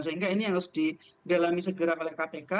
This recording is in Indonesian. sehingga ini yang harus didalami segera oleh kpk